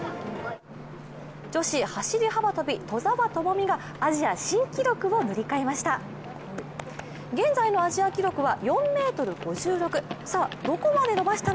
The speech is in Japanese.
女子走り幅跳び・兎澤朋美がアジア新記録を塗り替えました。